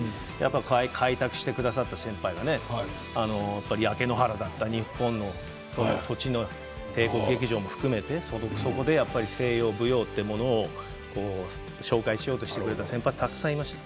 とはいえ、先人がいっぱいいらっしゃいましたし開拓してくださった先輩が焼け野原だった日本の土地の帝国劇場も含めそこで西洋舞踊というものを紹介しようとしてくれた先輩がたくさんいました。